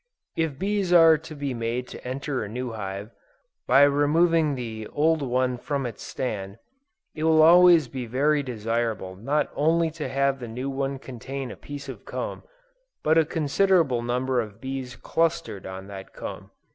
If bees are to be made to enter a new hive, by removing the old one from its stand, it will always be very desirable not only to have the new one contain a piece of comb, but a considerable number of bees clustered on that comb.